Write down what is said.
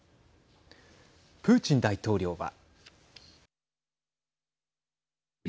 プーチン大統領は。